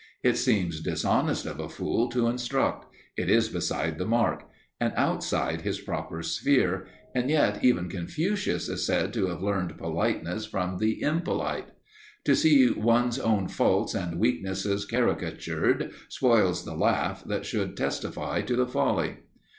It seems dishonest of a fool to instruct; it is beside the mark, and outside his proper sphere, and yet even Confucius is said to have learned politeness from the impolite. To see one's own faults and weaknesses caricatured spoils the laugh that should testify to the folly.